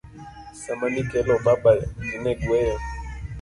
Sama nikelo baba ji ne gweyo.